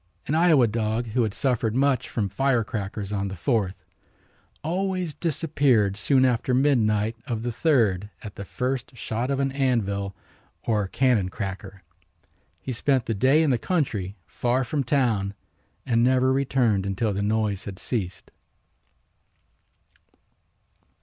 An Iowa dog who had suffered much from firecrackers on the Fourth always disappeared soon after midnight of the third at the first shot of an anvil or cannon cracker. He spent the day in the country far from town and never returned until the noise had ceased.